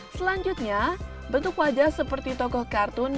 selanjutnya bentuk wajah seperti tokoh kartun